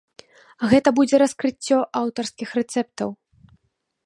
Гэта будзе раскрыццё аўтарскіх рэцэптаў.